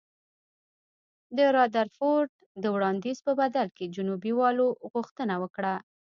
د رادرفورډ د وړاندیز په بدل کې جنوبي والو غوښتنه وکړه.